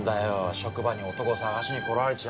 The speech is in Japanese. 職場に男探しに来られちゃ。